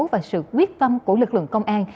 và sự quyết phâm của lực lượng công an